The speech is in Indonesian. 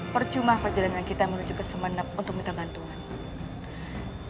percuma perjalanan kita menuju kesemunep untuk minta bantuan